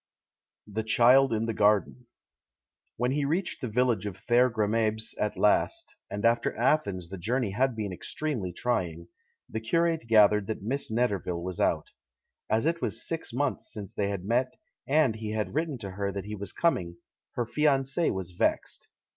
THE CHILD IN THE GARDEN When he reached the village of Thergrimabes at last — and after Athens the journey had been extremely trying — the curate gathered that Miss Netterville was out. As it was six months since they had met, and he had written to her that he was coming, her fiance was vexed.